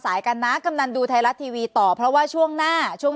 กันนะกำนันดูไทยรัฐทีวีต่อเพราะว่าช่วงหน้าช่วง